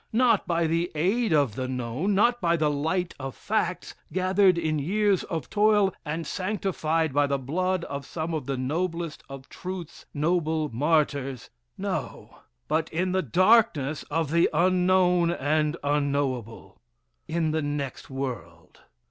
Not by the aid of the known, not by the light of facts, gathered in years of toil, and sanctified by the blood of some of the noblest of truth's noble martyrs; no but in the darkness of the unknown and unknowable; in the next world.